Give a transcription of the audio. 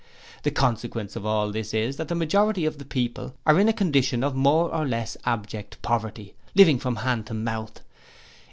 'The consequence of all this is that the majority of the people are in a condition of more or less abject poverty living from hand to mouth.